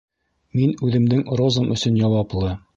Мин үҙемдең розам өсөн яуаплы...